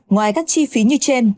ngoài các chi phí như trên